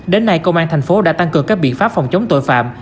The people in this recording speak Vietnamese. đến nay công an tp hcm đã tăng cường các biện pháp phòng chống tội phạm